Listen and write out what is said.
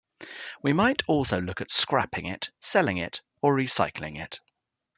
We might also look at scrapping it, selling it or recycling it.